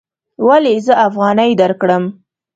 ولې زه افغانۍ درکړم؟